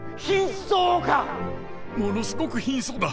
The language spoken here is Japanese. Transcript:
「ものすごく貧相だ！」。